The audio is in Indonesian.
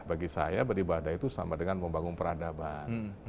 bagi saya beribadah itu sama dengan membangun peradaban